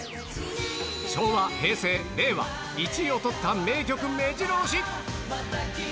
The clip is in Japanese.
昭和、平成、令和、１位を取った名曲めじろ押し。